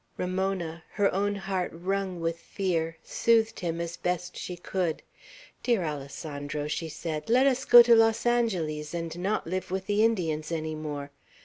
Ramona, her own heart wrung with fear, soothed him as best she could. "Dear Alessandro," she said, "let us go to Los Angeles, and not live with the Indians any more.